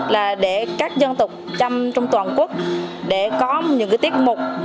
là để các dân tộc trăm trong toàn quốc để có những cái tiết mục